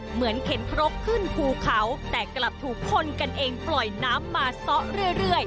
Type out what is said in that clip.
เหมือนเข็นครกขึ้นภูเขาแต่กลับถูกคนกันเองปล่อยน้ำมาซ้อเรื่อย